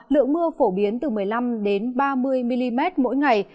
lượng mưa phổ biến từ một mươi năm ba mươi mm mỗi ngày